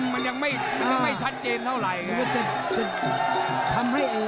มันยังไม่ชัดเจนเท่าไหร่